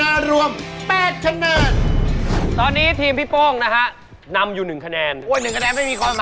อ่าว้าวจะทำไปเยอะเลยครับ